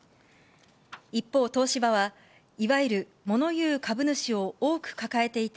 一方、東芝はいわゆるもの言う株主を多く抱えていて、